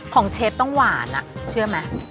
ของเชฟต้องหวานอ่ะเชื่อมั้ย